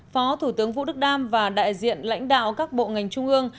phó thủ tướng vũ đức đam và đại diện lãnh đạo các bộ ngành trung ương